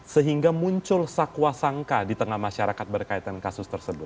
sehingga muncul sakuasangka di tengah masyarakat berkaitan kasus tersebut